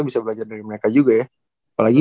bisa belajar dari mereka juga ya apalagi